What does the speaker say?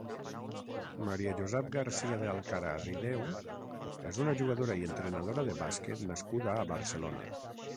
Maria Josep García de Alcaraz i Deu és una jugadora i entrenadora de bàsquet nascuda a Barcelona.